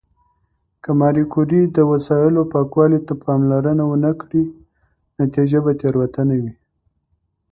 که ماري کوري د وسایلو پاکوالي ته پاملرنه ونه کړي، نتیجه به تېروتنه وي.